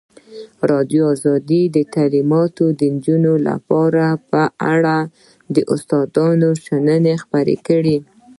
ازادي راډیو د تعلیمات د نجونو لپاره په اړه د استادانو شننې خپرې کړي.